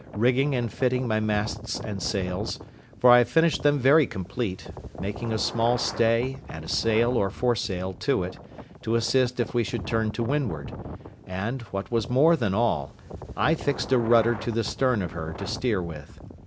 rigging and fitting my masts and sails; for I finished them very complete, making a small stay, and a sail, or foresail, to it, to assist if we should turn to windward; and, what was more than all, I fixed a rudder to the stern of her to steer with.